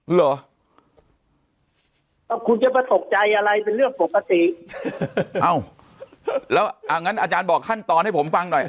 เหรอเอาคุณจะมาตกใจอะไรเป็นเรื่องปกติเอ้าแล้วอ่างั้นอาจารย์บอกขั้นตอนให้ผมฟังหน่อย